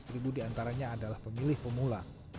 lima belas ribu diantaranya adalah pemilih pemula